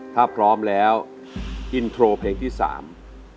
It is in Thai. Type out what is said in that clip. ถ้าพร้อมแล้วอินโทรเพลงที่๓มาเลยครับ